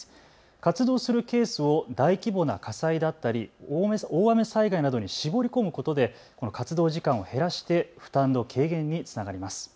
活動するケースを大規模な火災だったり大雨災害などに絞り込むことでこの活動時間を減らして負担の軽減につながります。